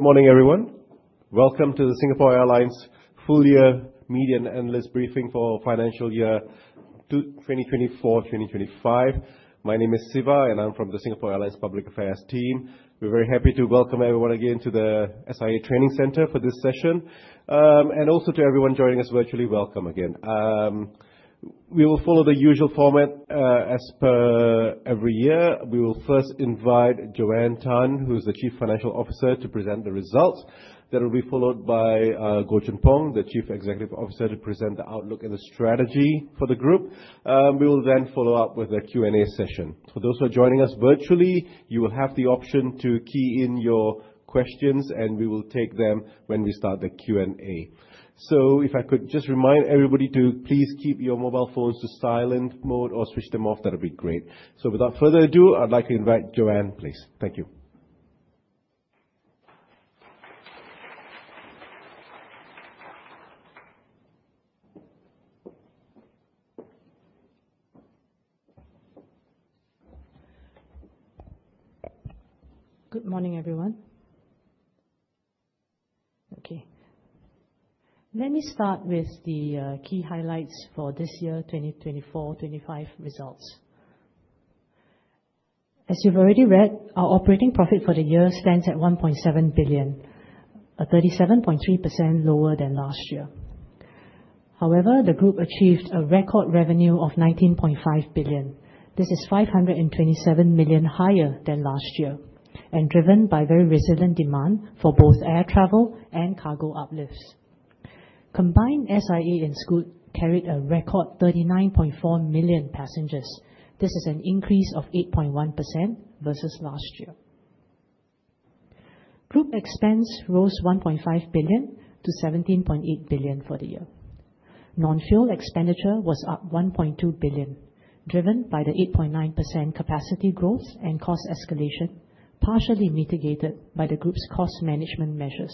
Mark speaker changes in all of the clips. Speaker 1: Good morning, everyone. Welcome to the Singapore Airlines Full-Year Media and Analyst Briefing for Financial Year 2024-2025. My name is Siva, and I'm from the Singapore Airlines Public Affairs team. We're very happy to welcome everyone again to the SIA Training Centre for this session, and also to everyone joining us virtually. Welcome again. We will follow the usual format as per every year. We will first invite JoAnn Tan, who is the Chief Financial Officer, to present the results. That will be followed by Goh Choon Phong, the Chief Executive Officer, to present the outlook and the strategy for the group. We will then follow up with a Q&A session. For those who are joining us virtually, you will have the option to key in your questions, and we will take them when we start the Q&A. If I could just remind everybody to please keep your mobile phones to silent mode or switch them off, that would be great. Without further ado, I'd like to invite Jo-Ann, please. Thank you.
Speaker 2: Good morning, everyone. Okay. Let me start with the key highlights for this year, 2024-2025 results. As you've already read, our operating profit for the year stands at 1.7 billion, a 37.3% lower than last year. However, the group achieved a record revenue of 19.5 billion. This is 527 million higher than last year and driven by very resilient demand for both air travel and cargo uplifts. Combined, SIA and Scoot carried a record 39.4 million passengers. This is an increase of 8.1% versus last year. Group expense rose 1.5 billion to 17.8 billion for the year. Non-fuel expenditure was up 1.2 billion, driven by the 8.9% capacity growth and cost escalation, partially mitigated by the group's cost management measures.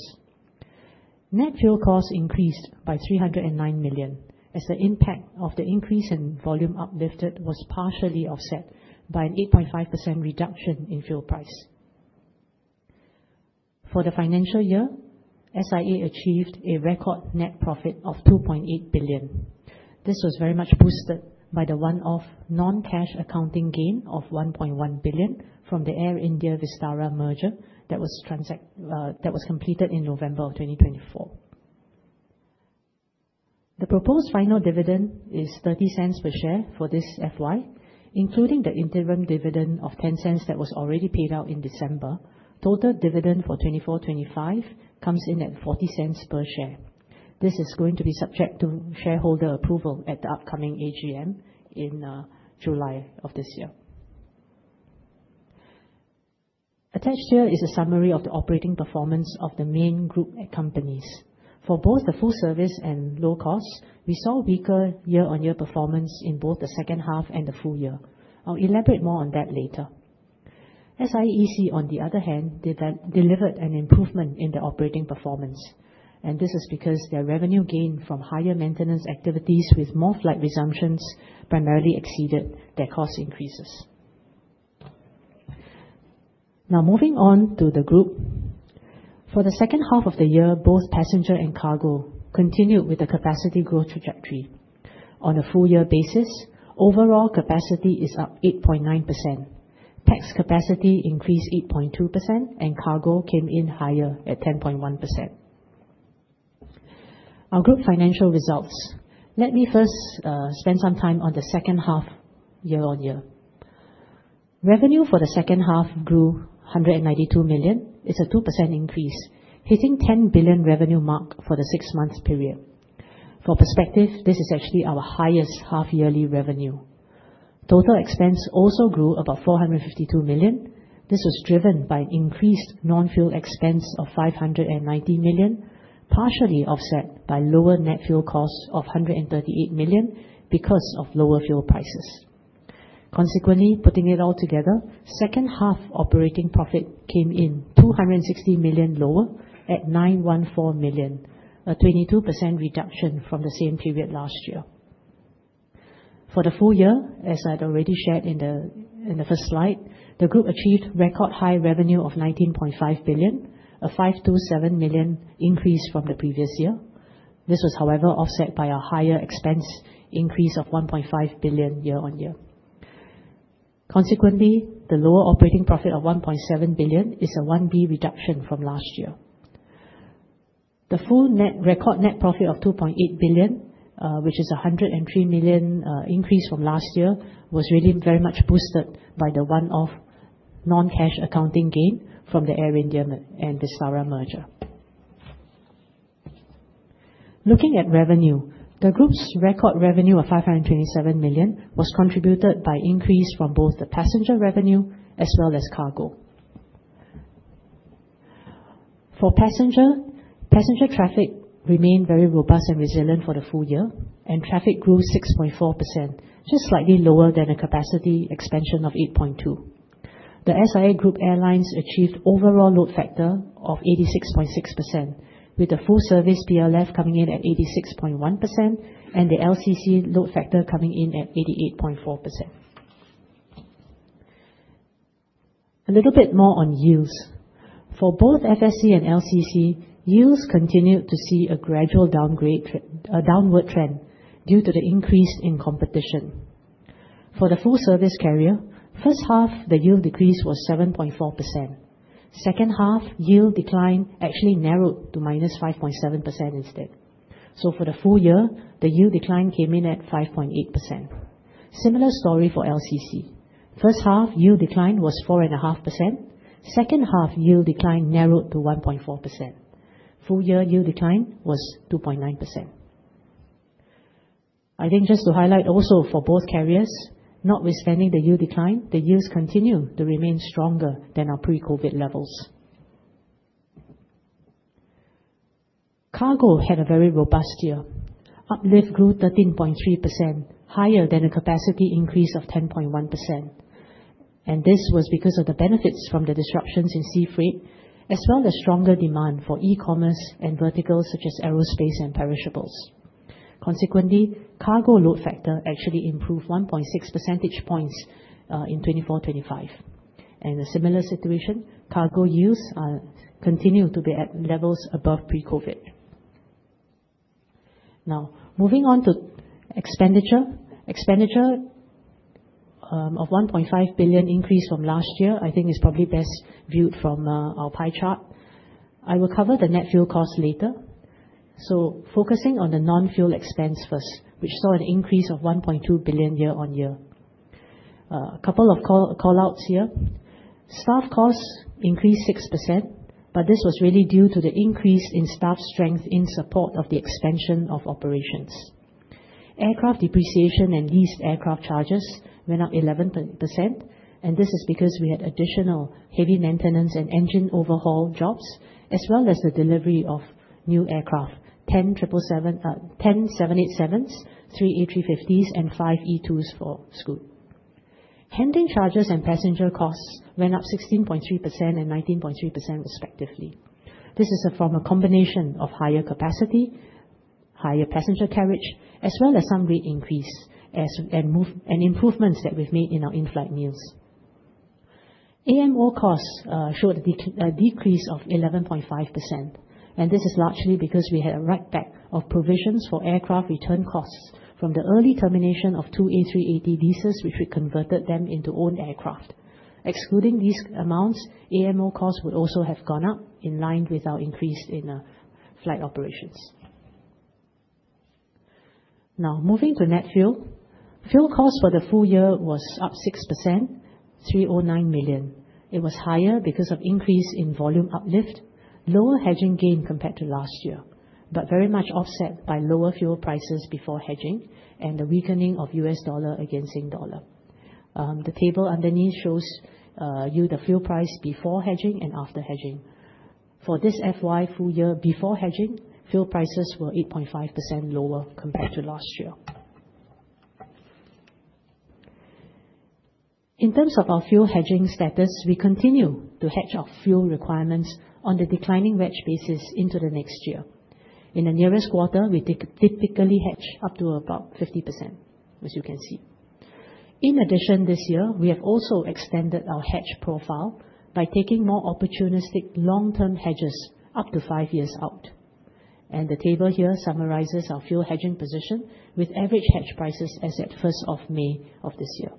Speaker 2: Net fuel costs increased by 309 million as the impact of the increase in volume uplifted was partially offset by an 8.5% reduction in fuel price. For the financial year, SIA achieved a record net profit of SGD 2.8 billion. This was very much boosted by the one-off non-cash accounting gain of SGD 1.1 billion from the Air India-Vistara merger that was completed in November of 2024. The proposed final dividend is 0.30 per share for this financial year, including the interim dividend of 0.10 that was already paid out in December. Total dividend for 2024-2025 comes in at 0.40 per share. This is going to be subject to shareholder approval at the upcoming AGM in July of this year. Attached here is a summary of the operating performance of the main group companies. For both the full service and low cost, we saw weaker year-on-year performance in both the second half and the full year. I'll elaborate more on that later. SIAEC on the other hand, delivered an improvement in their operating performance, and this is because their revenue gain from higher maintenance activities with more flight resumptions primarily exceeded their cost increases. Now, moving on to the group. For the second half of the year, both passenger and cargo continued with the capacity growth trajectory. On a full-year basis, overall capacity is up 8.9%. Tax capacity increased 8.2%, and cargo came in higher at 10.1%. Our group financial results. Let me first spend some time on the second half year-on-year. Revenue for the second half grew 192 million. It is a 2% increase, hitting the 10 billion revenue mark for the six-month period. For perspective, this is actually our highest half-yearly revenue. Total expense also grew about 452 million. This was driven by an increased non-fuel expense of 590 million, partially offset by lower net fuel cost of 138 million because of lower fuel prices. Consequently, putting it all together, second half operating profit came in 260 million lower at 914 million, a 22% reduction from the same period last year. For the full year, as I'd already shared in the first slide, the group achieved record high revenue of 19.5 billion, a 527 million increase from the previous year. This was, however, offset by a higher expense increase of 1.5 billion year-on-year. Consequently, the lower operating profit of 1.7 billion is a 1 billion reduction from last year. The full record net profit of 2.8 billion, which is a 103 million increase from last year, was really very much boosted by the one-off non-cash accounting gain from the Air India and Vistara merger. Looking at revenue, the group's record revenue of 527 million was contributed by increase from both the passenger revenue as well as cargo. For passenger, passenger traffic remained very robust and resilient for the full year, and traffic grew 6.4%, just slightly lower than the capacity expansion of 8.2%. The SIA Group Airlines achieved overall load factor of 86.6%, with the full service PLF coming in at 86.1% and the LCC load factor coming in at 88.4%. A little bit more on yields. For both FSC and LCC, yields continued to see a gradual downward trend due to the increase in competition. For the full service carrier, first half, the yield decrease was 7.4%. Second half, yield decline actually narrowed to -5.7% instead. For the full year, the yield decline came in at 5.8%. Similar story for LCC. First half, yield decline was 4.5%. Second half, yield decline narrowed to 1.4%. Full year yield decline was 2.9%. I think just to highlight also for both carriers, notwithstanding the yield decline, the yields continue to remain stronger than our pre-COVID levels. Cargo had a very robust year. Uplift grew 13.3%, higher than a capacity increase of 10.1%. This was because of the benefits from the disruptions in sea freight, as well as stronger demand for e-commerce and verticals such as aerospace and perishables. Consequently, cargo load factor actually improved 1.6 percentage points in 2024-2025. A similar situation, cargo yields continue to be at levels above pre-COVID. Now, moving on to expenditure. Expenditure of 1.5 billion increased from last year, I think is probably best viewed from our pie chart. I will cover the net fuel cost later. Focusing on the non-fuel expense first, which saw an increase of 1.2 billion year-on-year. A couple of callouts here. Staff costs increased 6%, but this was really due to the increase in staff strength in support of the expansion of operations. Aircraft depreciation and leased aircraft charges went up 11%, and this is because we had additional heavy maintenance and engine overhaul jobs, as well as the delivery of new aircraft, 10 787s, 3 A350s, and 5 E2s for Scoot. Handling charges and passenger costs went up 16.3% and 19.3% respectively. This is from a combination of higher capacity, higher passenger carriage, as well as some rate increase and improvements that we've made in our in-flight meals. AMO costs showed a decrease of 11.5%, and this is largely because we had a write-back of provisions for aircraft return costs from the early termination of two A380 leases, which we converted them into owned aircraft. Excluding these amounts, AMO costs would also have gone up in line with our increase in flight operations. Now, moving to net fuel. Fuel costs for the full year was up 6%, 309 million. It was higher because of increase in volume uplift, lower hedging gain compared to last year, but very much offset by lower fuel prices before hedging and the weakening of US dollar against Singapore dollar. The table underneath shows you the fuel price before hedging and after hedging. For this financial year full year before hedging, fuel prices were 8.5% lower compared to last year. In terms of our fuel hedging status, we continue to hedge our fuel requirements on the declining wedge basis into the next year. In the nearest quarter, we typically hedge up to about 50%, as you can see. In addition, this year, we have also extended our hedge profile by taking more opportunistic long-term hedges up to five years out. The table here summarizes our fuel hedging position with average hedge prices as at 1st of May of this year.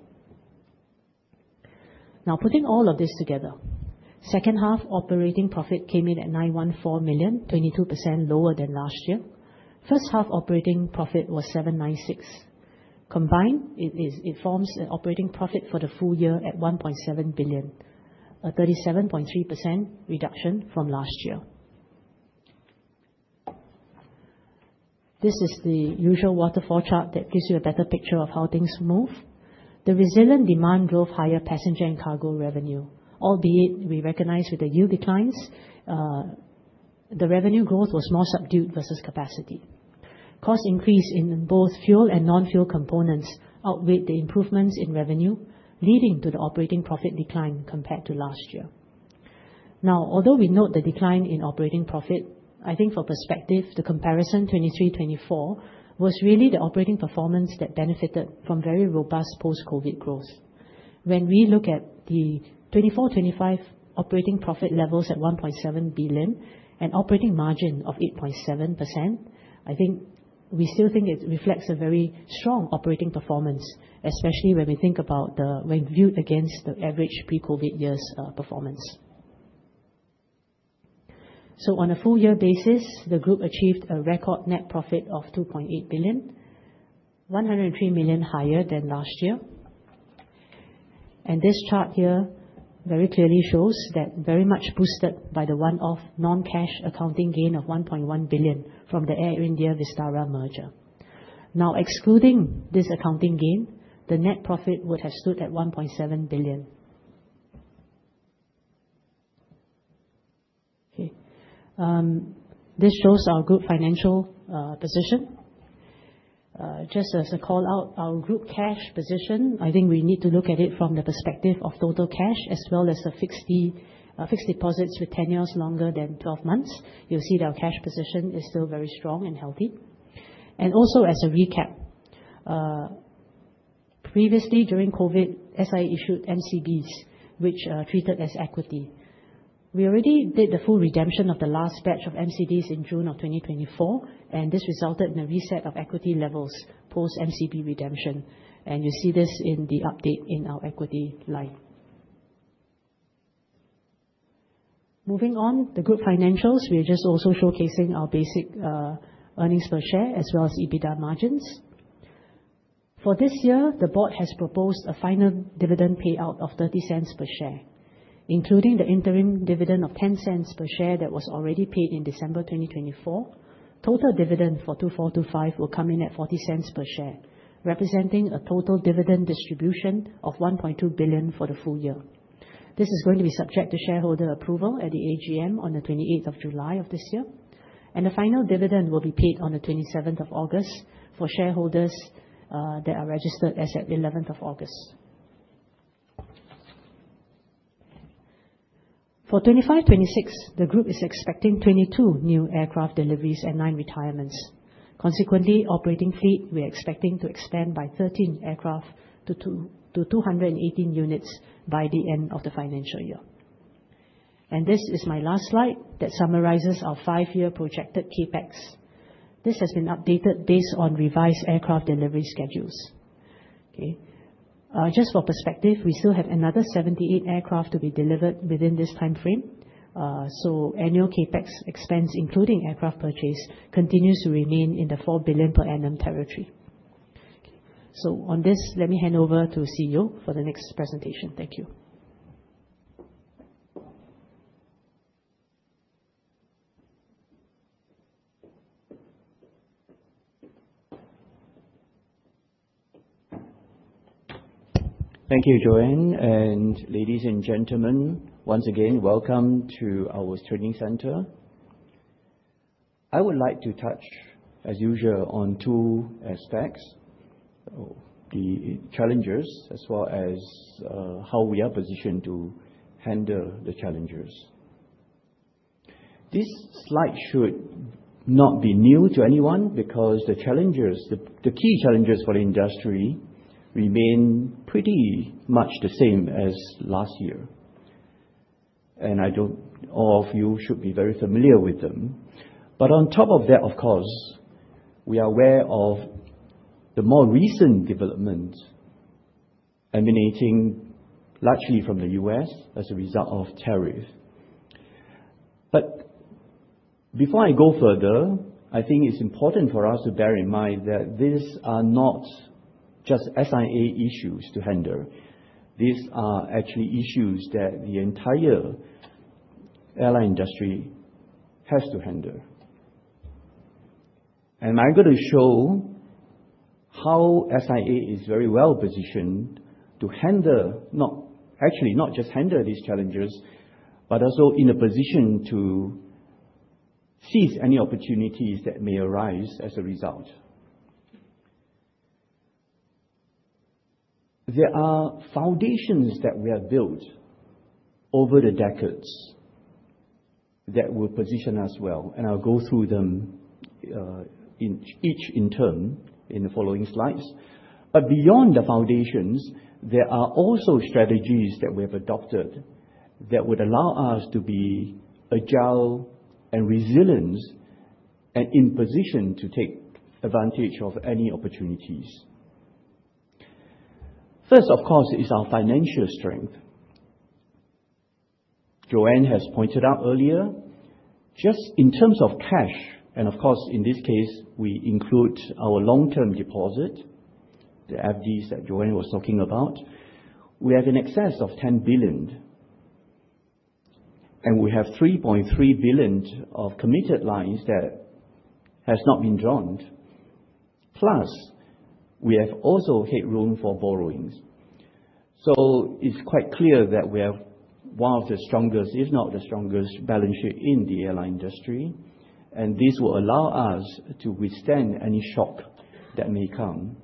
Speaker 2: Now, putting all of this together, second half operating profit came in at 914 million, 22% lower than last year. First half operating profit was 796 million. Combined, it forms an operating profit for the full year at 1.7 billion, a 37.3% reduction from last year. This is the usual waterfall chart that gives you a better picture of how things move. The resilient demand drove higher passenger and cargo revenue, albeit we recognize with the yield declines, the revenue growth was more subdued versus capacity. Cost increase in both fuel and non-fuel components outweighed the improvements in revenue, leading to the operating profit decline compared to last year. Now, although we note the decline in operating profit, I think for perspective, the comparison 2023-2024 was really the operating performance that benefited from very robust post-COVID growth. When we look at the 2024-2025 operating profit levels at 1.7 billion and operating margin of 8.7%, I think we still think it reflects a very strong operating performance, especially when we think about the when viewed against the average pre-COVID years performance. On a full year basis, the group achieved a record net profit of 2.8 billion, 103 million higher than last year. This chart here very clearly shows that very much boosted by the one-off non-cash accounting gain of 1.1 billion from the Air India-Vistara merger. Now, excluding this accounting gain, the net profit would have stood at 1.7 billion. Okay. This shows our group financial position. Just as a callout, our group cash position, I think we need to look at it from the perspective of total cash as well as the fixed deposits with tenures longer than 12 months. You'll see that our cash position is still very strong and healthy. Also as a recap, previously during COVID, SIA issued MCBs, which are treated as equity. We already did the full redemption of the last batch of MCBs in June of 2024, and this resulted in a reset of equity levels post-MCB redemption. You see this in the update in our equity line. Moving on, the group financials, we're just also showcasing our basic earnings per share as well as EBITDA margins. For this year, the board has proposed a final dividend payout of 0.30 per share, including the interim dividend of 0.10 per share that was already paid in December 2024. Total dividend for 2024-2025 will come in at 0.40 per share, representing a total dividend distribution of 1.2 billion for the full year. This is going to be subject to shareholder approval at the AGM on the 28th of July of this year. The final dividend will be paid on the 27th of August for shareholders that are registered as of the 11th of August. For 2025-2026, the group is expecting 22 new aircraft deliveries and nine retirements. Consequently, operating fleet, we are expecting to expand by 13 aircraft to 218 units by the end of the financial year. This is my last slide that summarizes our five-year projected CapEx. This has been updated based on revised aircraft delivery schedules. Okay. Just for perspective, we still have another 78 aircraft to be delivered within this timeframe. So annual CapEx expense, including aircraft purchase, continues to remain in the 4 billion per annum territory. On this, let me hand over to CEO for the next presentation. Thank you.
Speaker 3: Thank you, Jo-Ann. Ladies and gentlemen, once again, welcome to our training center. I would like to touch, as usual, on two aspects, the challenges, as well as how we are positioned to handle the challenges. This slide should not be new to anyone because the challenges, the key challenges for the industry remain pretty much the same as last year. I do not know if you should be very familiar with them. On top of that, of course, we are aware of the more recent developments emanating largely from the U.S. as a result of tariffs. Before I go further, I think it's important for us to bear in mind that these are not just SIA issues to handle. These are actually issues that the entire airline industry has to handle. I'm going to show how SIA is very well positioned to handle, not actually not just handle these challenges, but also in a position to seize any opportunities that may arise as a result. There are foundations that we have built over the decades that will position us well, and I'll go through them each in turn in the following slides. Beyond the foundations, there are also strategies that we have adopted that would allow us to be agile and resilient and in position to take advantage of any opportunities. First, of course, is our financial strength. Jo-Ann has pointed out earlier, just in terms of cash, and of course, in this case, we include our long-term deposit, the FDs that Jo-Ann was talking about. We have an excess of 10 billion, and we have 3.3 billion of committed lines that have not been drawn. Plus, we have also had room for borrowings. It is quite clear that we have one of the strongest, if not the strongest, balance sheet in the airline industry, and this will allow us to withstand any shock that may come.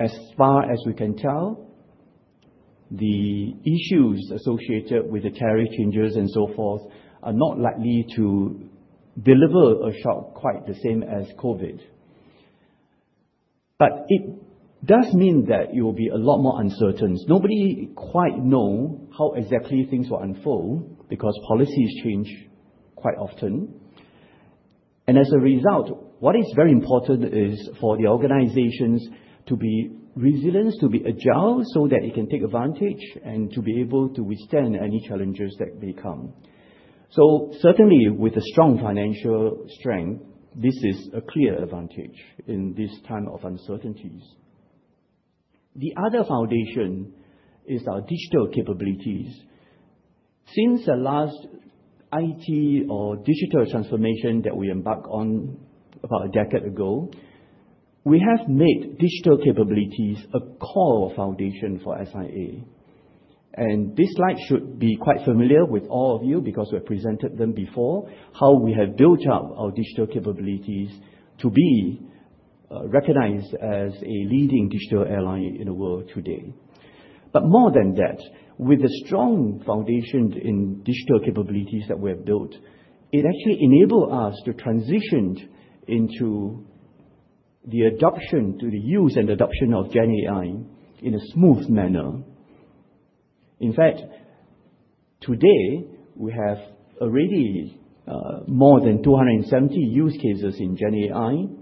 Speaker 3: As far as we can tell, the issues associated with the tariff changes and so forth are not likely to deliver a shock quite the same as COVID. It does mean that it will be a lot more uncertain. Nobody quite knows how exactly things will unfold because policies change quite often. As a result, what is very important is for the organizations to be resilient, to be agile so that it can take advantage and to be able to withstand any challenges that may come. Certainly, with a strong financial strength, this is a clear advantage in this time of uncertainties. The other foundation is our digital capabilities. Since the last IT or digital transformation that we embarked on about a decade ago, we have made digital capabilities a core foundation for SIA. This slide should be quite familiar with all of you because we've presented them before, how we have built up our digital capabilities to be recognized as a leading digital airline in the world today. More than that, with the strong foundation in digital capabilities that we have built, it actually enabled us to transition into the adoption, to the use and adoption of GenAI in a smooth manner. In fact, today, we have already more than 270 use cases in GenAI,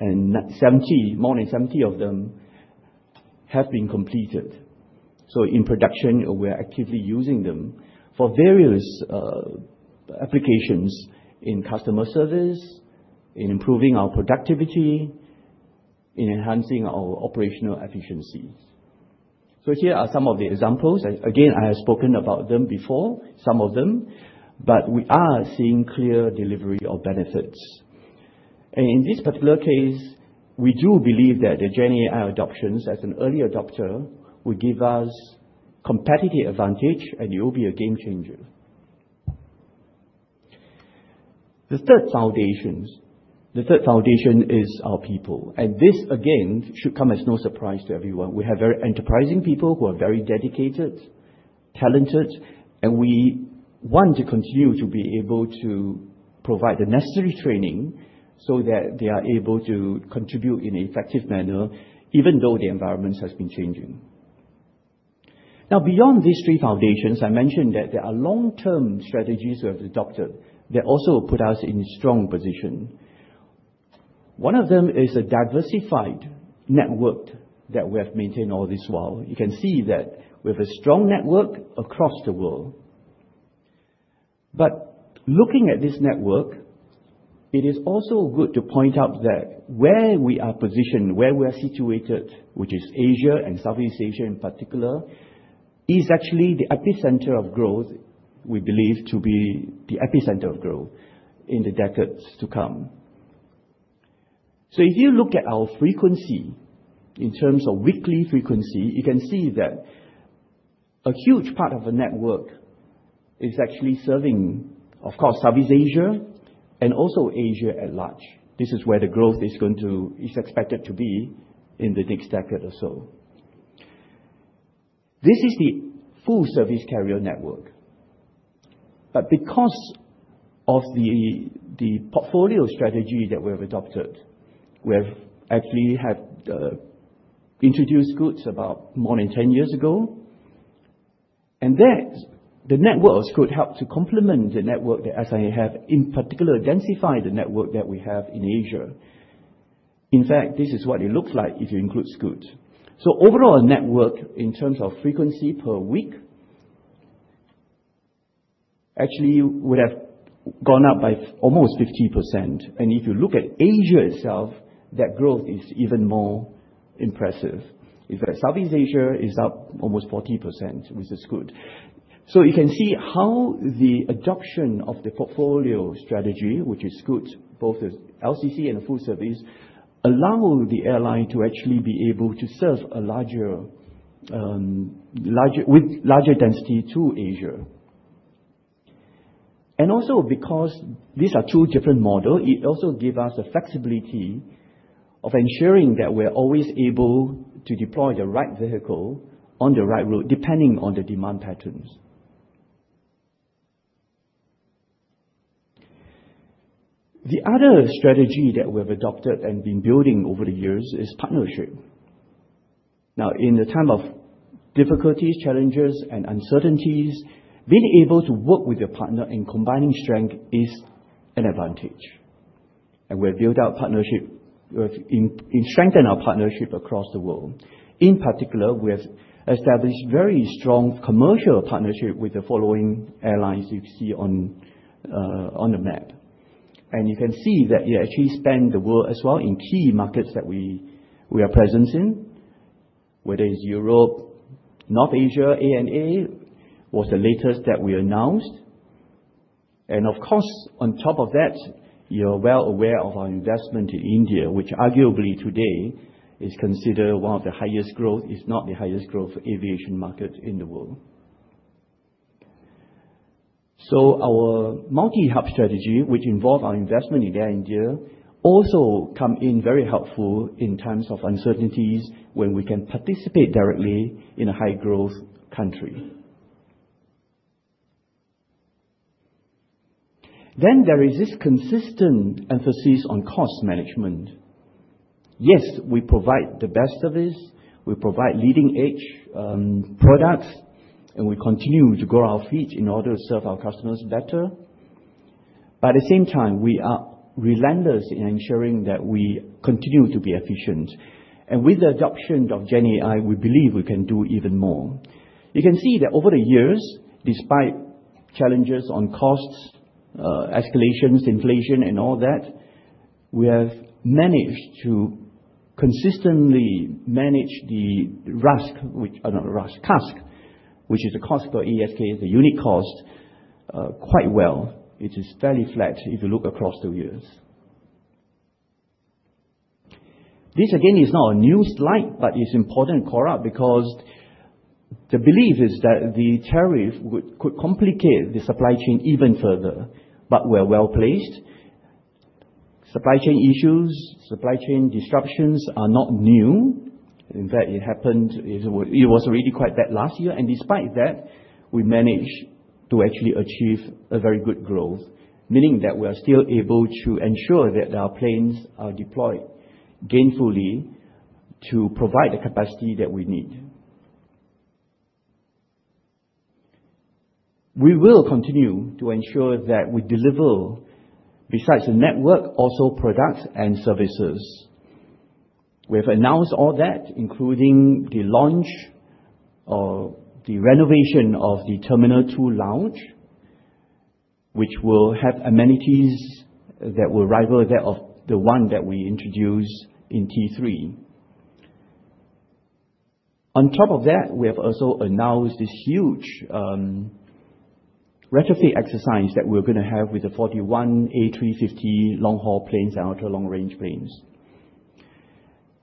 Speaker 3: and more than 70 of them have been completed. In production, we're actively using them for various applications in customer service, in improving our productivity, in enhancing our operational efficiencies. Here are some of the examples. Again, I have spoken about them before, some of them, but we are seeing clear delivery of benefits. In this particular case, we do believe that the GenAI adoptions as an early adopter will give us competitive advantage, and it will be a game changer. The third foundation is our people. This, again, should come as no surprise to everyone. We have very enterprising people who are very dedicated, talented, and we want to continue to be able to provide the necessary training so that they are able to contribute in an effective manner, even though the environment has been changing. Now, beyond these three foundations, I mentioned that there are long-term strategies we have adopted that also put us in a strong position. One of them is a diversified network that we have maintained all this while. You can see that we have a strong network across the world. Looking at this network, it is also good to point out that where we are positioned, where we are situated, which is Asia and Southeast Asia in particular, is actually the epicenter of growth, we believe to be the epicenter of growth in the decades to come. If you look at our frequency in terms of weekly frequency, you can see that a huge part of our network is actually serving, of course, Southeast Asia and also Asia at large. This is where the growth is going to, is expected to be in the next decade or so. This is the full service carrier network. Because of the portfolio strategy that we have adopted, we have actually introduced Scoot about more than 10 years ago. The network of Scoot has helped to complement the network that SIA has, in particular densifying the network that we have in Asia. In fact, this is what it looks like if you include Scoot. The overall network in terms of frequency per week actually would have gone up by almost 50%. If you look at Asia itself, that growth is even more impressive. Southeast Asia is up almost 40% with Scoot. You can see how the adoption of the portfolio strategy, which is Scoot, both the LCC and the full service, allows the airline to actually be able to serve a larger, with larger density to Asia. Also, because these are two different models, it gives us the flexibility of ensuring that we're always able to deploy the right vehicle on the right route depending on the demand patterns. The other strategy that we have adopted and been building over the years is partnership. Now, in the time of difficulties, challenges, and uncertainties, being able to work with your partner and combining strength is an advantage. We have built out partnership, strengthened our partnership across the world. In particular, we have established very strong commercial partnership with the following airlines you see on the map. You can see that we actually span the world as well in key markets that we are present in, whether it's Europe, North Asia, ANA was the latest that we announced. Of course, on top of that, you're well aware of our investment in India, which arguably today is considered one of the highest growth, if not the highest growth aviation market in the world. Our multi-hub strategy, which involves our investment in India, also comes in very helpful in times of uncertainties when we can participate directly in a high-growth country. There is this consistent emphasis on cost management. Yes, we provide the best service. We provide leading-edge products, and we continue to grow our fleet in order to serve our customers better. At the same time, we are relentless in ensuring that we continue to be efficient. With the adoption of GenAI, we believe we can do even more. You can see that over the years, despite challenges on costs, escalations, inflation, and all that, we have managed to consistently manage the RUSC, which is the cost for ASK, the unit cost, quite well. It is fairly flat if you look across the years. This, again, is not a new slide, but it's important to call out because the belief is that the tariff could complicate the supply chain even further, but we're well placed. Supply chain issues, supply chain disruptions are not new. In fact, it happened, it was already quite bad last year. Despite that, we managed to actually achieve a very good growth, meaning that we are still able to ensure that our planes are deployed gainfully to provide the capacity that we need. We will continue to ensure that we deliver, besides the network, also products and services. We have announced all that, including the launch or the renovation of the Terminal 2 lounge, which will have amenities that will rival that of the one that we introduced in T3. On top of that, we have also announced this huge retrofit exercise that we're going to have with the 41 A350 long-haul planes and ultra-long-range planes.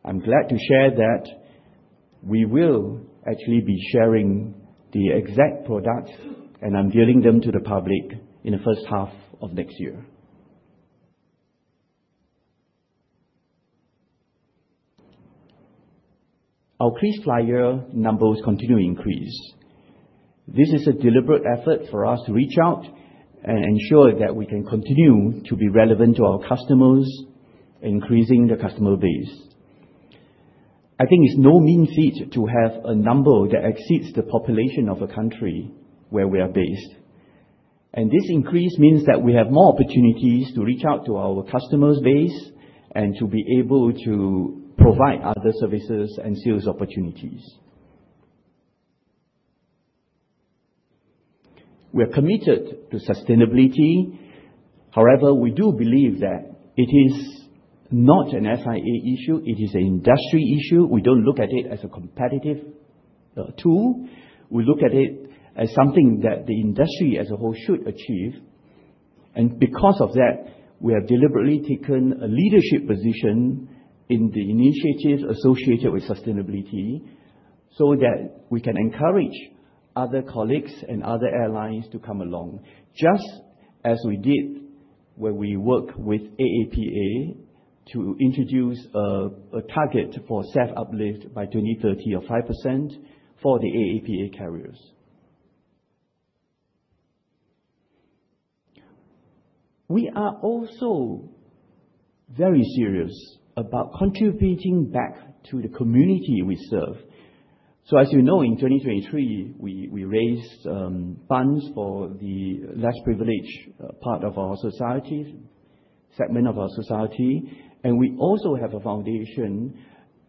Speaker 3: I'm glad to share that we will actually be sharing the exact products, and I'm detailing them to the public in the first half of next year. Our KrisFlyer numbers continue to increase. This is a deliberate effort for us to reach out and ensure that we can continue to be relevant to our customers, increasing the customer base. I think it's no mean feat to have a number that exceeds the population of a country where we are based. This increase means that we have more opportunities to reach out to our customer base and to be able to provide other services and sales opportunities. We are committed to sustainability. However, we do believe that it is not an SIA issue. It is an industry issue. We do not look at it as a competitive tool. We look at it as something that the industry as a whole should achieve. Because of that, we have deliberately taken a leadership position in the initiatives associated with sustainability so that we can encourage other colleagues and other airlines to come along, just as we did when we worked with AAPA to introduce a target for SAF uplift by 2030 of 5% for the AAPA carriers. We are also very serious about contributing back to the community we serve. As you know, in 2023, we raised funds for the less privileged part of our society, segment of our society. We also have a foundation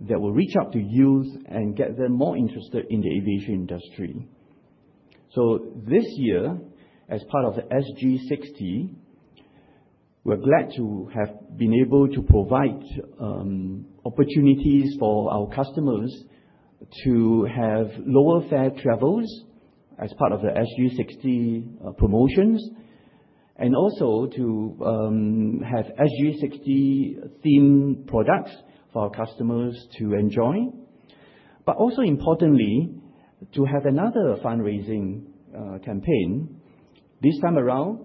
Speaker 3: that will reach out to youth and get them more interested in the aviation industry. This year, as part of the SG60, we're glad to have been able to provide opportunities for our customers to have lower fare travels as part of the SG60 promotions, and also to have SG60-themed products for our customers to enjoy. Also importantly, to have another fundraising campaign. This time around,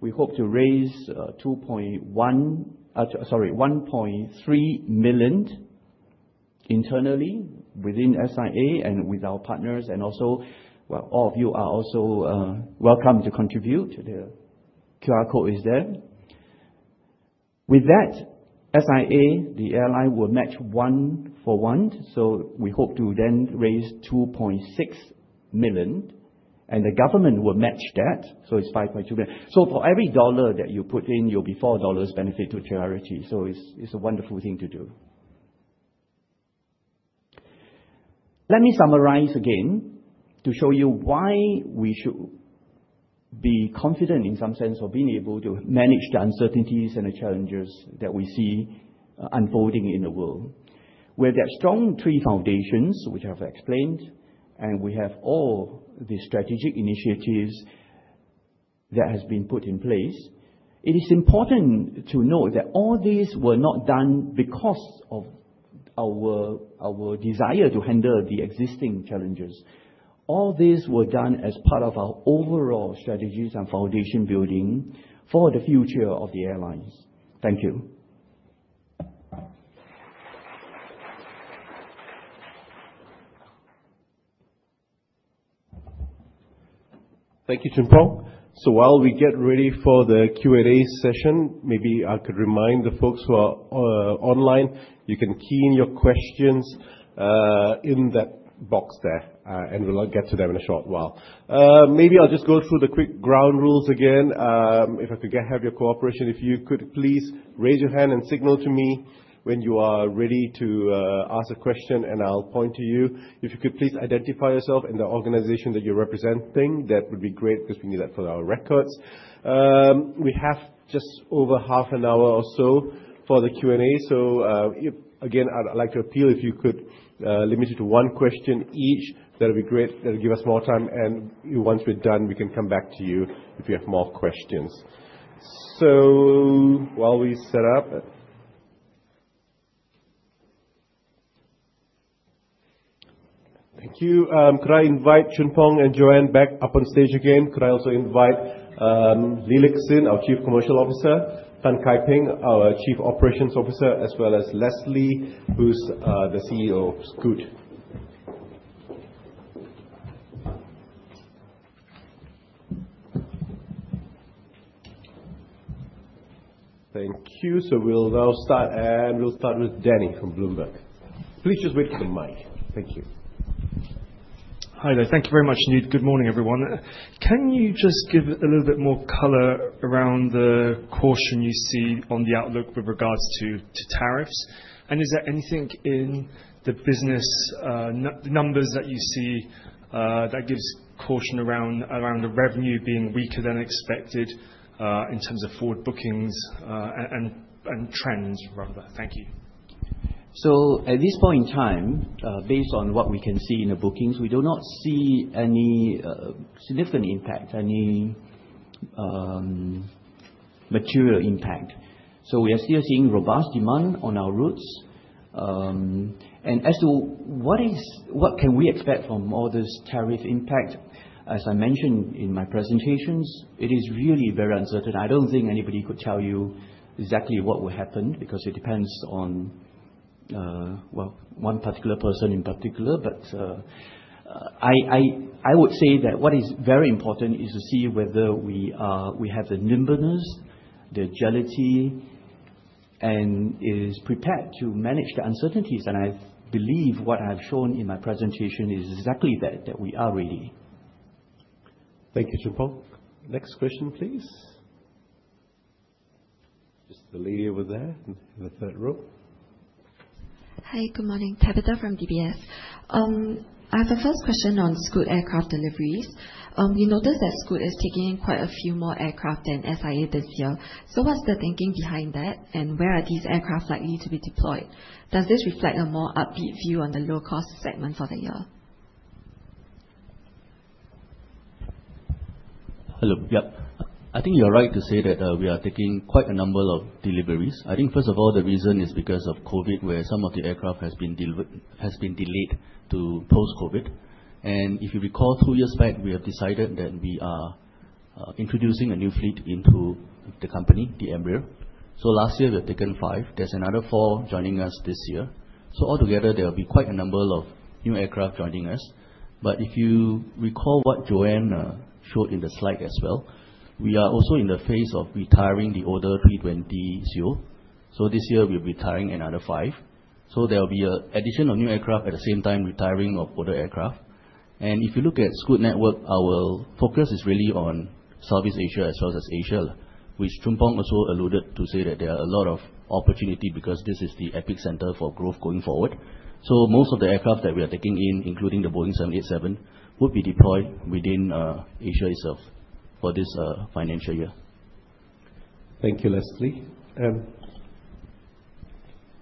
Speaker 3: we hope to raise 2.1 million, sorry, 1.3 million internally within SIA and with our partners. Also, all of you are also welcome to contribute. [The QR code] is there. With that, SIA, the airline, will match one for one. We hope to then raise 2.6 million. The government will match that. It is 5.2 million. For every dollar that you put in, there will be a $4 benefit to charity. It is a wonderful thing to do. Let me summarize again to show you why we should be confident in some sense of being able to manage the uncertainties and the challenges that we see unfolding in the world. With that strong three foundations, which I've explained, and we have all the strategic initiatives that have been put in place, it is important to note that all these were not done because of our desire to handle the existing challenges. All these were done as part of our overall strategies and foundation building for the future of the airlines. Thank you.
Speaker 1: Thank you, Choon Phong While we get ready for the Q&A session, maybe I could remind the folks who are online, you can key in your questions in that box there, and we'll get to them in a short while. Maybe I'll just go through the quick ground rules again. If I could have your cooperation, if you could please raise your hand and signal to me when you are ready to ask a question, and I'll point to you. If you could please identify yourself and the organization that you're representing, that would be great because we need that for our records. We have just over half an hour or so for the Q&A. Again, I'd like to appeal if you could limit it to one question each. That would be great. That would give us more time. Once we're done, we can come back to you if you have more questions. While we set up, thank you. Could I invite Goh Choon Phong and Jo-Ann back up on stage again? Could I also invite Lee Lik Hsin, our Chief Commercial Officer, Tan Kai Ping, our Chief Operations Officer, as well as Leslie Thng, who's the CEO of Scoot? Thank you. We will now start, and we will start with Danny from Bloomberg. Please just wait for the mic. Thank you.
Speaker 4: Hi there. Thank you very much, [Nik]. Good morning, everyone. Can you just give a little bit more color around the caution you see on the outlook with regards to tariffs? Is there anything in the business numbers that you see that gives caution around the revenue being weaker than expected in terms of forward bookings and trends, rather? Thank you.
Speaker 3: At this point in time, based on what we can see in the bookings, we do not see any significant impact, any material impact. We are still seeing robust demand on our routes. As to what we can expect from all this tariff impact, as I mentioned in my presentations, it is really very uncertain. I do not think anybody could tell you exactly what will happen because it depends on, well, one particular person in particular. I would say that what is very important is to see whether we have the nimbleness, the agility, and are prepared to manage the uncertainties. I believe what I have shown in my presentation is exactly that, that we are ready.
Speaker 4: Thank you, Choon Phong.
Speaker 1: Next question, please. Just the lady over there in the third row.
Speaker 5: Hi, good morning. Tabitha from DBS. I have a first question on Scoot aircraft deliveries. We noticed that Scoot is taking quite a few more aircraft than SIA this year. What is the thinking behind that, and where are these aircraft likely to be deployed? Does this reflect a more upbeat view on the low-cost segment for the year?
Speaker 6: Hello. Yep. I think you're right to say that we are taking quite a number of deliveries. I think, first of all, the reason is because of COVID, where some of the aircraft have been delayed to post-COVID. If you recall, two years back, we have decided that we are introducing a new fleet into the company, the Embraer. Last year, we have taken five. There is another four joining us this year. Altogether, there will be quite a number of new aircraft joining us. If you recall what Jo-Ann showed in the slide as well, we are also in the phase of retiring the older A320. This year, we are retiring another five. There will be an addition of new aircraft at the same time retiring of older aircraft. If you look at Scoot network, our focus is really on Southeast Asia as well as Asia, which Choon Phong also alluded to, saying that there are a lot of opportunities because this is the epicenter for growth going forward. Most of the aircraft that we are taking in, including the Boeing 787, would be deployed within Asia itself for this financial year.
Speaker 1: Thank you, Leslie.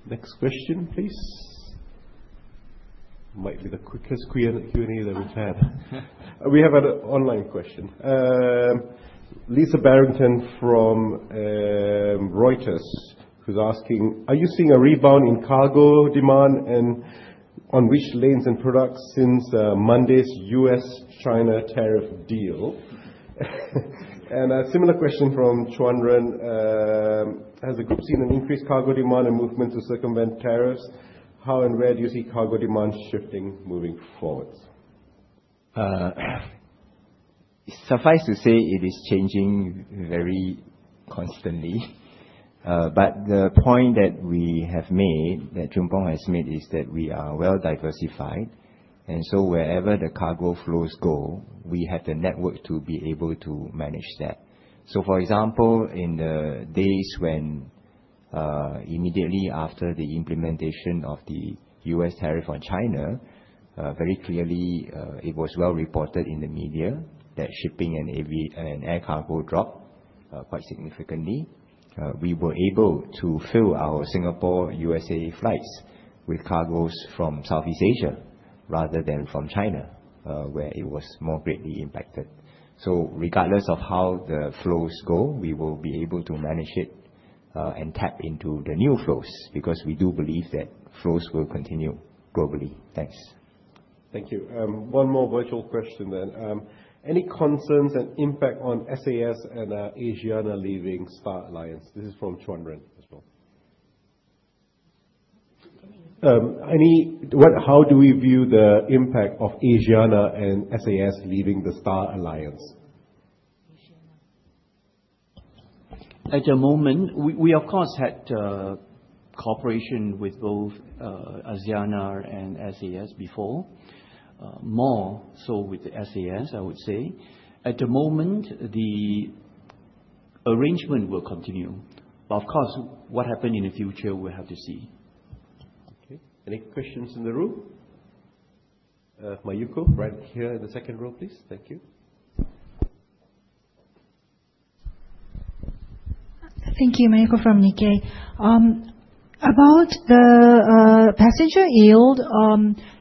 Speaker 1: Next question, please. Might be the quickest Q&A that we've had. We have an online question. Lisa Barrington from Reuters, who's asking, are you seeing a rebound in cargo demand and on which lanes and products since Monday's US-China tariff deal? A similar question from Chuanren. Has the group seen an increased cargo demand and movement to circumvent tariffs? How and where do you see cargo demand shifting moving forward?
Speaker 6: Suffice to say, it is changing very constantly. The point that we have made, that Choon Phong has made, is that we are well diversified. Wherever the cargo flows go, we have the network to be able to manage that. For example, in the days when immediately after the implementation of the U.S. tariff on China, very clearly, it was well reported in the media that shipping and air cargo dropped quite significantly. We were able to fill our Singapore-U.S.A. flights with cargoes from Southeast Asia rather than from China, where it was more greatly impacted. Regardless of how the flows go, we will be able to manage it and tap into the new flows because we do believe that flows will continue globally. Thanks.
Speaker 1: Thank you. One more virtual question then. Any concerns and impact on SAS and ASIANA leaving Star Alliance? This is from Chuanren as well. How do we view the impact of ASIANA and SAS leaving the Star Alliance?
Speaker 3: At the moment, we, of course, had cooperation with both ASIANA and SAS before, more so with SAS, I would say. At the moment, the arrangement will continue. Of course, what happens in the future, we'll have to see.
Speaker 1: Okay. Any questions in the room? Mayuko, right here in the second row, please. Thank you.
Speaker 7: Thank you, Mayuko from Nikkei. About the passenger yield,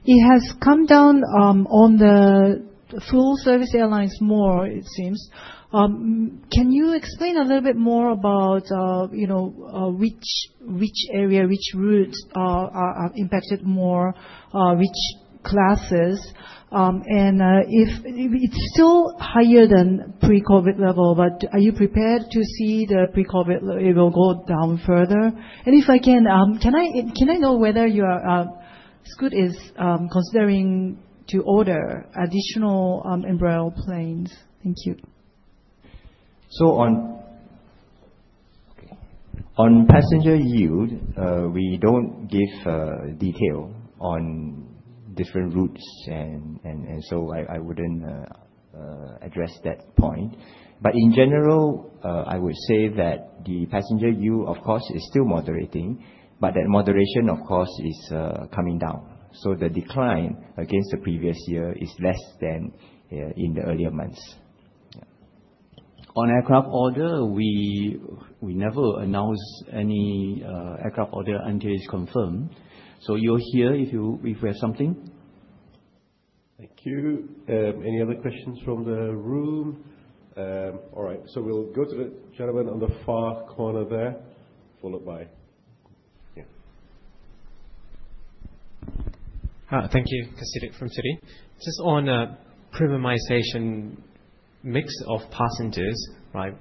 Speaker 7: it has come down on the full-service airlines more, it seems. Can you explain a little bit more about which area, which routes are impacted more, which classes? It is still higher than pre-COVID level, but are you prepared to see the pre-COVID level go down further? If I can, can I know whether Scoot is considering to order additional Embraer planes? Thank you.
Speaker 6: On passenger yield, we do not give detail on different routes, and so I would not address that point. In general, I would say that the passenger yield, of course, is still moderating, but that moderation, of course, is coming down. The decline against the previous year is less than in the earlier months. On aircraft order, we never announce any aircraft order until it is confirmed. You will hear if we have something. Thank you.
Speaker 1: Any other questions from the room? All right. We will go to the gentleman on the far corner there, followed by...
Speaker 8: Thank you, [Kasidit from Citi]. Just on premiumization mix of passengers, right?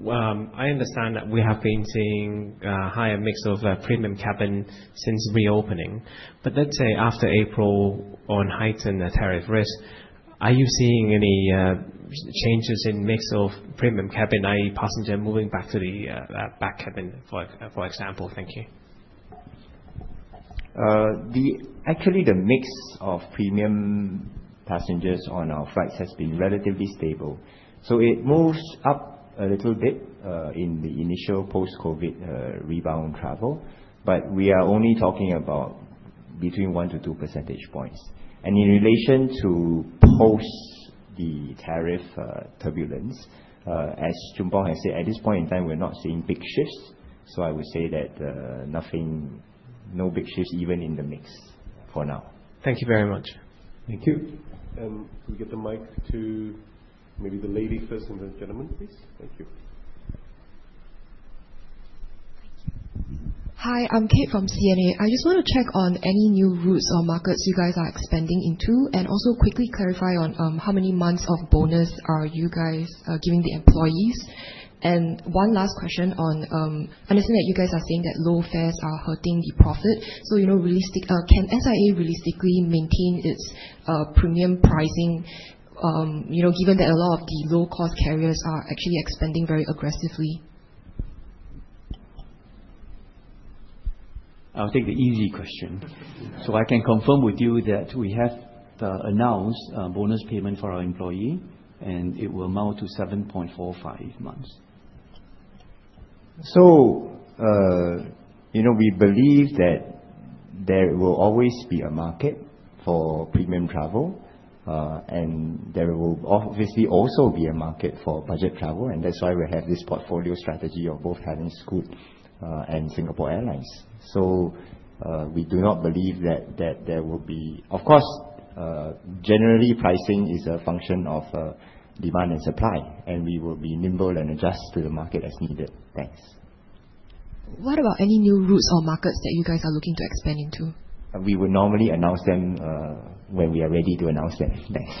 Speaker 8: I understand that we have been seeing a higher mix of premium cabin since reopening. Let us say after April, on heightened tariff risk, are you seeing any changes in mix of premium cabin, i.e., passenger moving back to the back cabin, for example? Thank you.
Speaker 6: Actually, the mix of premium passengers on our flights has been relatively stable. It moves up a little bit in the initial post-COVID rebound travel, but we are only talking about between one to two percentage points. In relation to post-tariff turbulence, as Choon Phong has said, at this point in time, we are not seeing big shifts. I would say that no big shifts, even in the mix for now.
Speaker 8: Thank you very much.
Speaker 1: Thank you. Can we get the mic to maybe the lady first and the gentleman, please? Thank you.
Speaker 9: Hi, I am Kate from CNA. I just want to check on any new routes or markets you guys are expanding into and also quickly clarify on how many months of bonus are you guys giving the employees. One last question on understanding that you guys are saying that low fares are hurting the profit. Can SIA realistically maintain its premium pricing, given that a lot of the low-cost carriers are actually expanding very aggressively?
Speaker 3: I'll take the easy question. I can confirm with you that we have announced bonus payment for our employee, and it will amount to 7.45 months. We believe that there will always be a market for premium travel, and there will obviously also be a market for budget travel. That is why we have this portfolio strategy of both having Scoot and Singapore Airlines. We do not believe that there will be, of course, generally pricing is a function of demand and supply, and we will be nimble and adjust to the market as needed. Thanks.
Speaker 9: What about any new routes or markets that you guys are looking to expand into?
Speaker 3: We would normally announce them when we are ready to announce them. Thanks.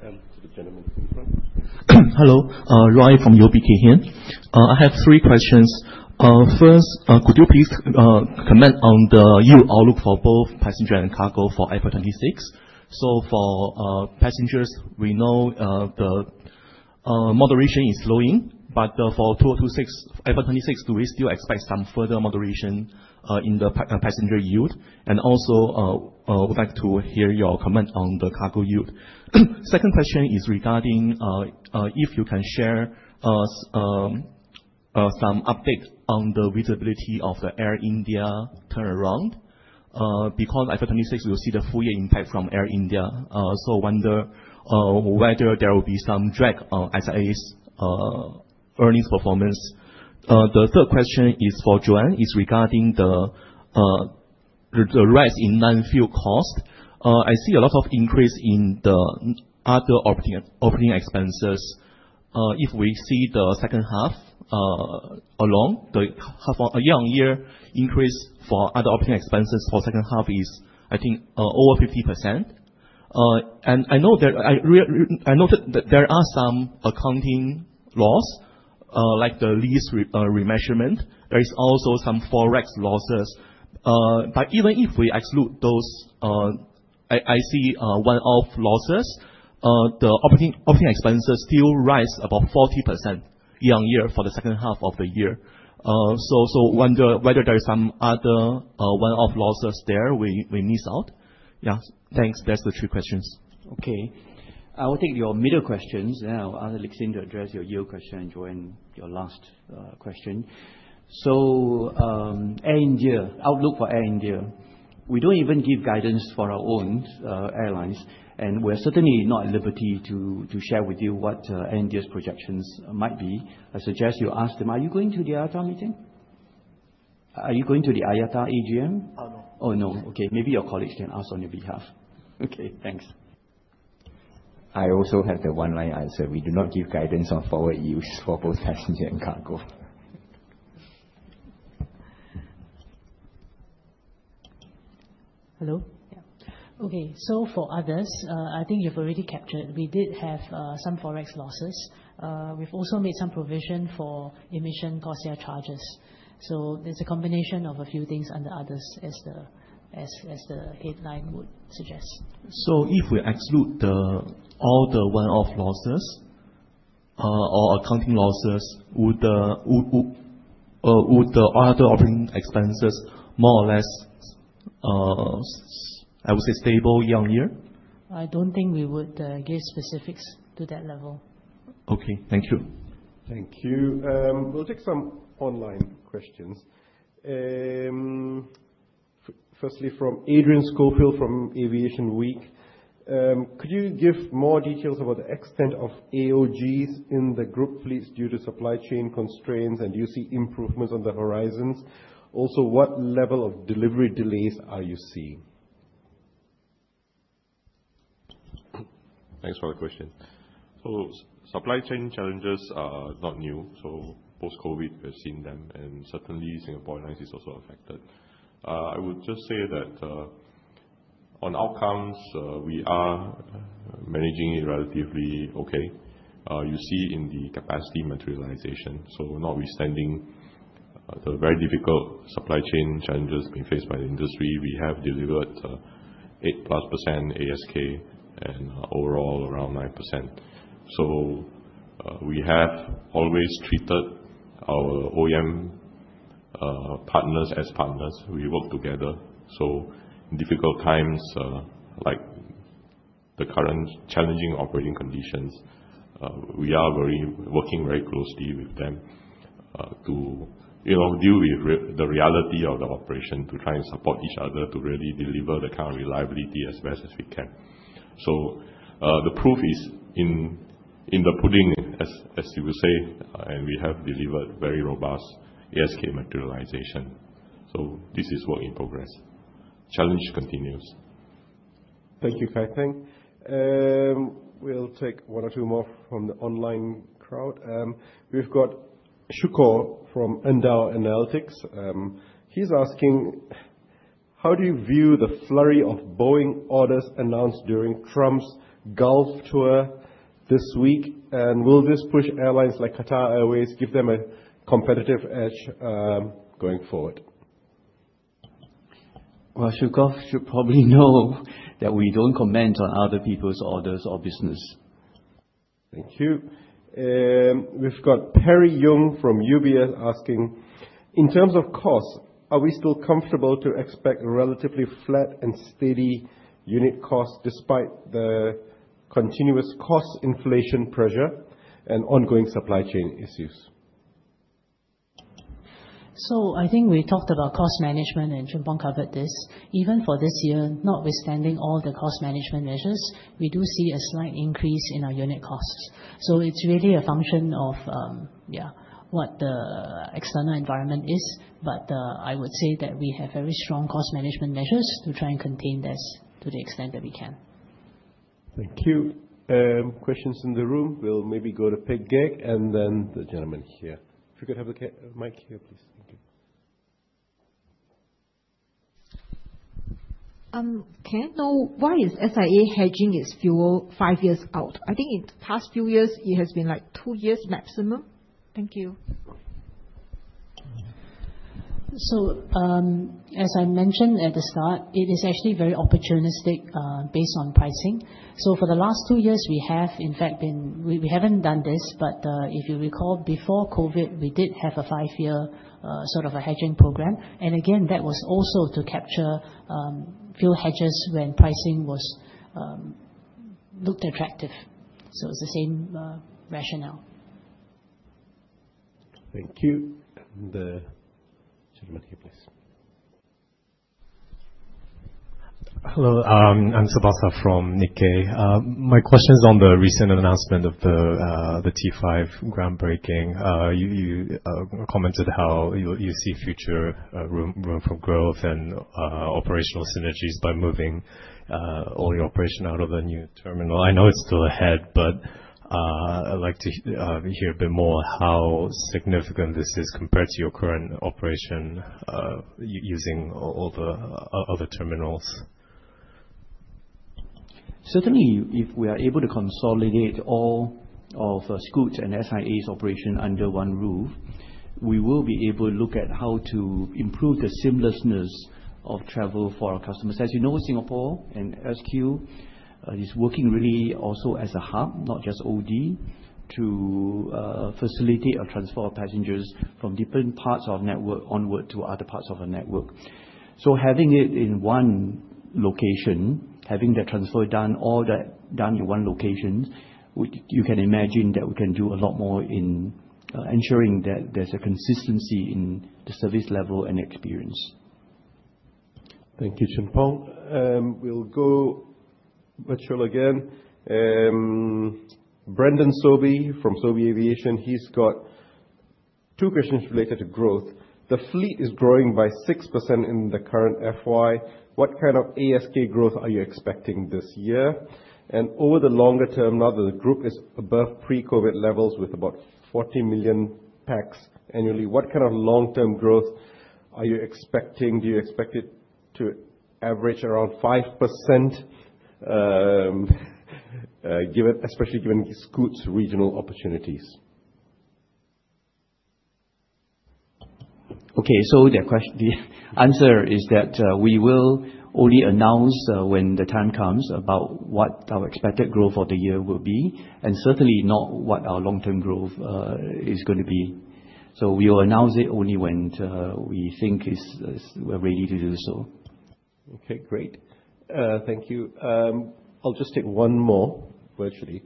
Speaker 1: To the gentleman from front.
Speaker 10: Hello. Roy from UOB Kay Hian. I have three questions. First, could you please comment on the yield outlook for both passenger and cargo for April 2026? For passengers, we know the moderation is slowing, but for 2026, April 2026, do we still expect some further moderation in the passenger yield? I would also like to hear your comment on the cargo yield. Second question is regarding if you can share some update on the visibility of the Air India turnaround because April 26, we'll see the full year impact from Air India. I wonder whether there will be some drag on SIA's earnings performance. The third question is for Jo-Ann, is regarding the rise in landfill cost. I see a lot of increase in the other operating expenses. If we see the second half, along the half of a year increase for other operating expenses for second half is, I think, over 50%. I know that there are some accounting loss, like the lease remeasurement. There is also some forex losses. Even if we exclude those, I see one-off losses, the operating expenses still rise about 40% year on year for the second half of the year. I wonder whether there are some other one-off losses there we miss out. Yeah. Thanks. That's the three questions.
Speaker 3: Okay. I will take your middle questions now. I'll let Lik Hsin address your yield question and Jo-Ann, your last question. Air India, outlook for Air India. We do not even give guidance for our own airlines, and we're certainly not at liberty to share with you what Air India's projections might be. I suggest you ask them. Are you going to the IATA meeting? Are you going to the IATA AGM?
Speaker 10: Oh, no.
Speaker 3: Oh, no.
Speaker 10: Okay.
Speaker 3: Maybe your colleagues can ask on your behalf. Okay.
Speaker 10: Thanks.
Speaker 11: I also have the one-line answer. We do not give guidance on forward yields for both passenger and cargo.
Speaker 2: Hello? Yeah. Okay. For others, I think you've already captured. We did have some forex losses. We've also made some provision for emission cost share charges. There's a combination of a few things under others, as the headline would suggest. If we exclude all the one-off losses or accounting losses, would the other operating expenses more or less, I would say, be stable year on year? I don't think we would give specifics to that level. Okay.
Speaker 10: Thank you.
Speaker 1: Thank you. We'll take some online questions. Firstly, from Adrian Scofield from Aviation Week. Could you give more details about the extent of AOGs in the group fleets due to supply chain constraints? Do you see improvements on the horizons? Also, what level of delivery delays are you seeing?
Speaker 12: Thanks for the question. Supply chain challenges are not new. Post-COVID, we've seen them. Certainly, Singapore Airlines is also affected. I would just say that on outcomes, we are managing it relatively okay. You see in the capacity materialization. Notwithstanding the very difficult supply chain challenges being faced by the industry, we have delivered 8+% ASK and overall around 9%. We have always treated our OEM partners as partners. We work together. In difficult times like the current challenging operating conditions, we are working very closely with them to deal with the reality of the operation, to try and support each other to really deliver the kind of reliability as best as we can. The proof is in the pudding, as you will say, and we have delivered very robust ASK materialization. This is work in progress. Challenge continues.
Speaker 1: Thank you, Kai Ping. We'll take one or two more from the online crowd. We've got Shukor from Endau Analytics. He's asking, how do you view the flurry of Boeing orders announced during Trump's Gulf tour this week? Will this push airlines like Qatar Airways, give them a competitive edge going forward?
Speaker 3: Shukor should probably know that we do not comment on other people's orders or business.
Speaker 1: Thank you. We've got Perry Young from UBS asking, in terms of cost, are we still comfortable to expect a relatively flat and steady unit cost despite the continuous cost inflation pressure and ongoing supply chain issues?
Speaker 2: I think we talked about cost management, and Choon Phong covered this. Even for this year, notwithstanding all the cost management measures, we do see a slight increase in our unit costs. It is really a function of what the external environment is. But I would say that we have very strong cost management measures to try and contain this to the extent that we can.
Speaker 1: Thank you. Questions in the room? We'll maybe go to Peck Gek and then the gentleman here. If you could have the mic here, please. Thank you.
Speaker 13: Can I know why is SIA hedging its fuel five years out? I think in the past few years, it has been like two years maximum. Thank you.
Speaker 2: As I mentioned at the start, it is actually very opportunistic based on pricing. For the last two years, we have, in fact, been—we haven't done this, but if you recall, before COVID, we did have a five-year sort of a hedging program. That was also to capture fuel hedges when pricing was looked attractive. It is the same rationale.
Speaker 1: Thank you. The gentleman here, please. Hello.
Speaker 14: I'm [Sebastian] from Nikkei. My question is on the recent announcement of the T5 groundbreaking. You commented how you see future room for growth and operational synergies by moving all your operation out of the new terminal. I know it's still ahead, but I'd like to hear a bit more how significant this is compared to your current operation using all the other terminals.
Speaker 3: Certainly, if we are able to consolidate all of Scoot and SIA's operation under one roof, we will be able to look at how to improve the seamlessness of travel for our customers. As you know, Singapore and SQ is working really also as a hub, not just OD, to facilitate a transfer of passengers from different parts of the network onward to other parts of the network. Having it in one location, having the transfer done in one location, you can imagine that we can do a lot more in ensuring that there's a consistency in the service level and experience. Thank you, Choon Phong. We'll go virtual again. Brendan Sobie from Sobie Aviation, he's got two questions related to growth. The fleet is growing by 6% in the current full year. What kind of ASK growth are you expecting this year? And over the longer term, now that the group is above pre-COVID levels with about 40 million packs annually, what kind of long-term growth are you expecting? Do you expect it to average around 5%, especially given Scoot's regional opportunities? Okay. The answer is that we will only announce when the time comes about what our expected growth for the year will be, and certainly not what our long-term growth is going to be. We will announce it only when we think we're ready to do so.
Speaker 1: Okay. Great. Thank you. I'll just take one more virtually.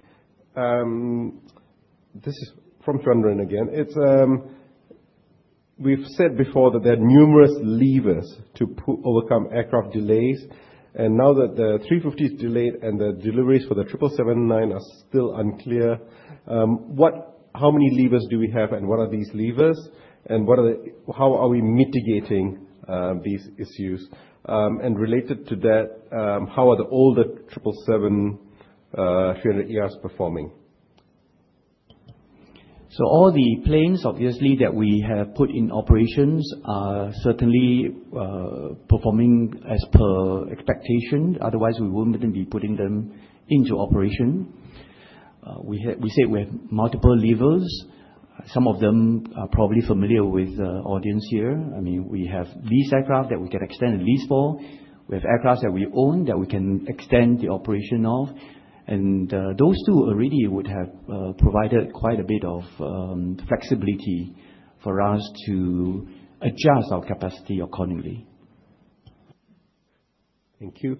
Speaker 1: This is from Chuanren again. We've said before that there are numerous levers to overcome aircraft delays. Now that the 350 is delayed and the deliveries for the 777-9 are still unclear, how many levers do we have and what are these levers? How are we mitigating these issues? Related to that, how are the older 777-300ERs performing?
Speaker 3: All the planes, obviously, that we have put in operations are certainly performing as per expectation. Otherwise, we wouldn't be putting them into operation. We say we have multiple levers. Some of them are probably familiar with the audience here. I mean, we have lease aircraft that we can extend the lease for. We have aircraft that we own that we can extend the operation of. Those two already would have provided quite a bit of flexibility for us to adjust our capacity accordingly.
Speaker 1: Thank you.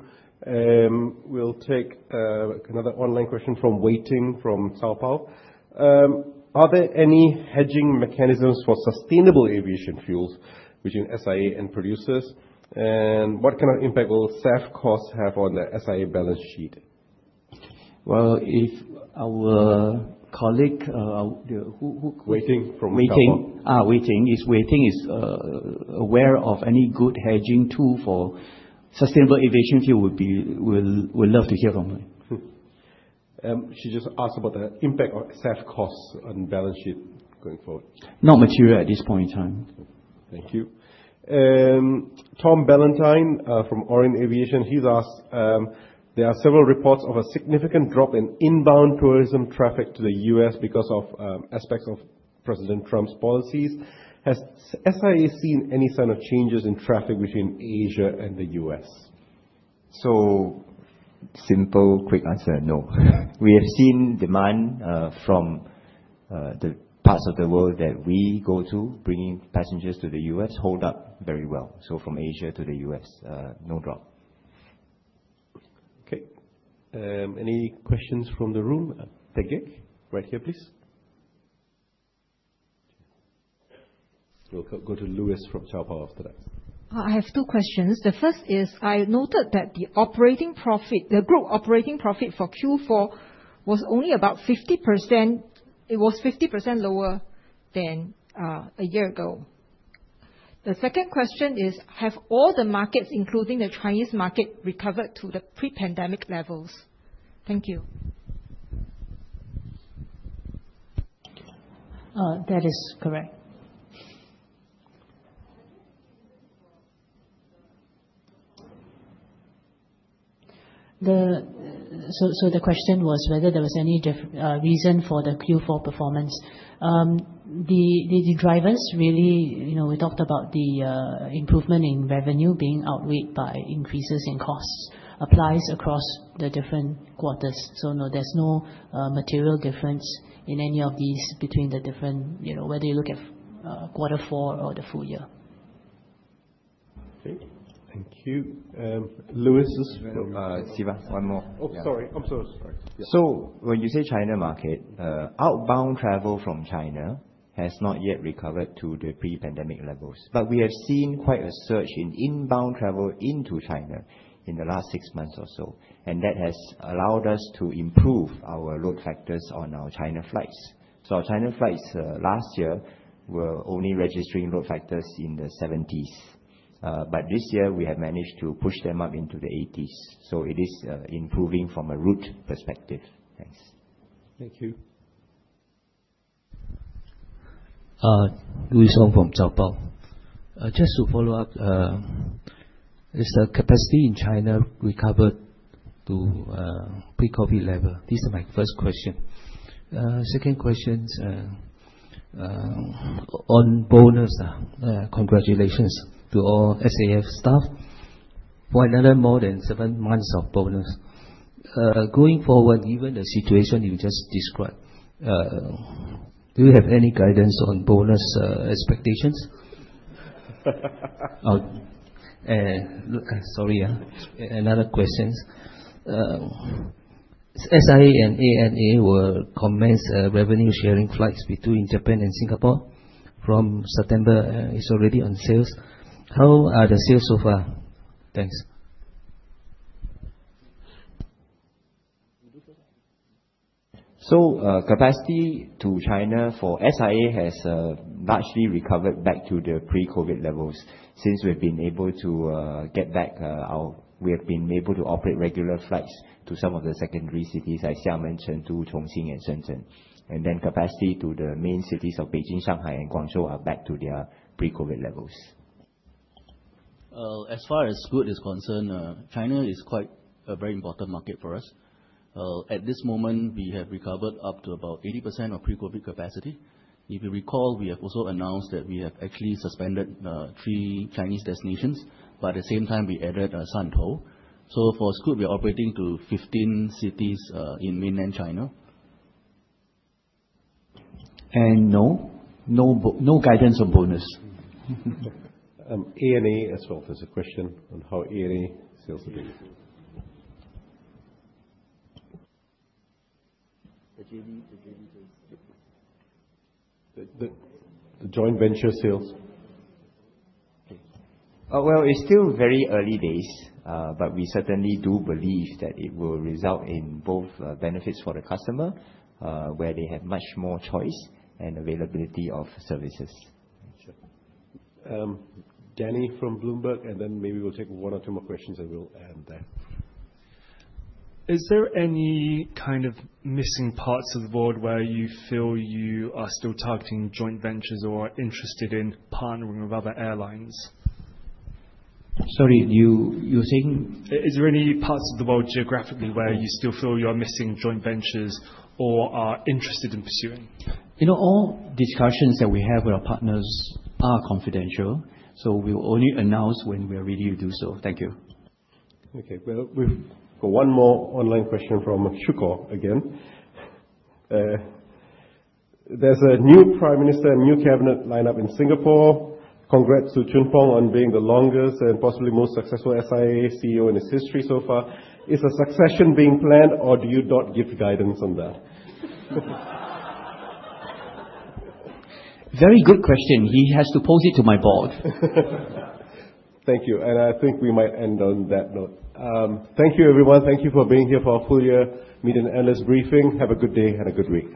Speaker 1: We'll take another online question from [Wei Ting from Zaobao]. Are there any hedging mechanisms for sustainable aviation fuels between SIA and producers? What kind of impact will SAF costs have on the SIA balance sheet?
Speaker 3: If our colleague
Speaker 1: who—[Wei Ting from Zaobao].
Speaker 3: Wei Ting Wei Ting is aware of any good hedging tool for sustainable aviation fuel, we'd love to hear from her. She just asked about the impact of SAF costs on balance sheet going forward. Not material at this point in time.
Speaker 1: Thank you. Tom Ballantyne from Orient Aviation, he's asked, there are several reports of a significant drop in inbound tourism traffic to the U.S. because of aspects of President Trump's policies. Has SIA seen any sign of changes in traffic between Asia and the U.S.?
Speaker 11: Simple, quick answer, no. We have seen demand from the parts of the world that we go to, bringing passengers to the U.S., hold up very well. From Asia to the U.S., no drop.
Speaker 1: Okay. Any questions from the room? Peck Gek, right here, please. We'll go to Lewis frin Zaobao after that.
Speaker 13: I have two questions. The first is, I noted that the group operating profit for Q4 was only about 50%. It was 50% lower than a year ago. The second question is, have all the markets, including the Chinese market, recovered to the pre-pandemic levels? Thank you. That is correct.
Speaker 2: The question was whether there was any reason for the Q4 performance. The drivers, really, we talked about the improvement in revenue being outweighed by increases in costs applies across the different quarters. No, there is no material difference in any of these between the different, whether you look at quarter four or the full year. Okay.
Speaker 1: Thank you. Lewis is from Siva.
Speaker 3: Siva one more.
Speaker 1: Oh, sorry. I'm sorry.
Speaker 3: When you say China market, outbound travel from China has not yet recovered to the pre-pandemic levels. We have seen quite a surge in inbound travel into China in the last six months or so. That has allowed us to improve our load factors on our China flights. Our China flights last year were only registering load factors in the 70s. This year, we have managed to push them up into the 80s. It is improving from a route perspective. Thanks. Thank you.
Speaker 15: Lewis Ong from Zaobao. Just to follow up, is the capacity in China recovered to pre-COVID level? These are my first questions. Second question on bonus. Congratulations to all SIA staff for another more than seven months of bonus. Going forward, given the situation you just described, do you have any guidance on bonus expectations? Sorry. Another question. SIA and ANA will commence revenue-sharing flights between Japan and Singapore from September. It's already on sales. How are the sales so far?
Speaker 16: Thanks.
Speaker 3: Capacity to China for SIA has largely recovered back to the pre-COVID levels since we've been able to get back. We have been able to operate regular flights to some of the secondary cities like Xiamen, Chengdu, Chongqing, and Shenzhen. Capacity to the main cities of Beijing, Shanghai, and Guangzhou are back to their pre-COVID levels. As far as Scoot is concerned, China is quite a very important market for us. At this moment, we have recovered up to about 80% of pre-COVID capacity. If you recall, we have also announced that we have actually suspended three Chinese destinations. At the same time, we added Shantou. For Scoot, we are operating to 15 cities in mainland China. No guidance on bonus.
Speaker 1: ANA as well. There is a question on how ANA sales have been. The joint venture sales. It is still very early days, but we certainly do believe that it will result in both benefits for the customer where they have much more choice and availability of services. Danny from Bloomberg, and then maybe we'll take one or two more questions, and we'll end there. Is there any kind of missing parts of the world where you feel you are still targeting joint ventures or are interested in partnering with other airlines? Sorry, you're saying? Is there any parts of the world geographically where you still feel you are missing joint ventures or are interested in pursuing?
Speaker 3: All discussions that we have with our partners are confidential. We will only announce when we are ready to do so.
Speaker 1: Thank you. Okay. We've got one more online question from Shukor again. There's a new prime minister, new cabinet lineup in Singapore. Congrats to Choon Phong on being the longest and possibly most successful SIA CEO in its history so far. Is a succession being planned, or do you not give guidance on that? Very good question.
Speaker 3: He has to pose it to my board.
Speaker 1: Thank you. I think we might end on that note. Thank you, everyone. Thank you for being here for our full-year meeting analyst briefing. Have a good day and a good week.